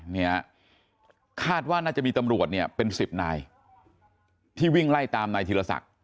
เนี่ยคาดว่าน่าจะมีตำรวจเนี่ยเป็นสิบนายที่วิ่งไล่ตามนายธีรศักดิ